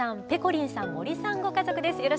ペコリンさん森さんご家族です。